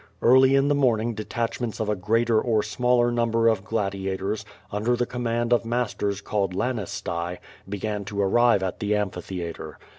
Karly in the morning de tachments of a greater or smaller number of gladiators, under the command of masters called "lanistae," began to arrive t at the am]>hitheatre.